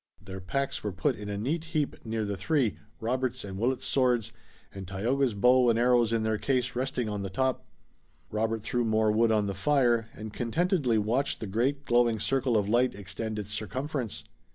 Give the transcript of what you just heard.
Their packs were put in a neat heap near the three, Robert's and Willet's swords, and Tayoga's bow and arrows in their case resting on the top. Robert threw more wood on the fire, and contentedly watched the great, glowing circle of light extend its circumference.